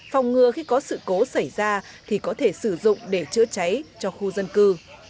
phòng ngừa khi có sự cố xảy ra thì có thể sử dụng để chữa cháy cho khu dân cư